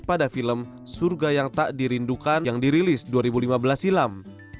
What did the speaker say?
pada film surga yang tak dirindukan yang dirilis dua ribu lima belas silam